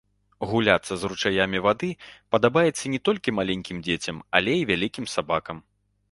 Гуляцца з ручаямі вады падабаецца не толькі маленькім дзецям, але і вялікім сабакам.